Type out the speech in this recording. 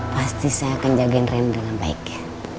pasti saya akan jagain rem dengan baik ya